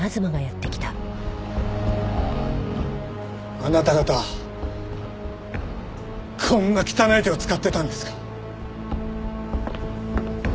あなた方こんな汚い手を使ってたんですか？